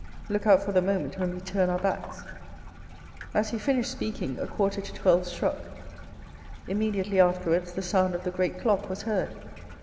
Look out for the moment when we turn our backs." As he finished speaking, a quarter to twelve struck. Im mediately afterwards the sound of the great clock was heard.